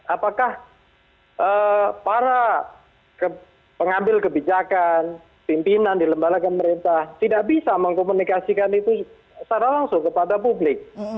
apakah para pengambil kebijakan pimpinan di lembaga pemerintah tidak bisa mengkomunikasikan itu secara langsung kepada publik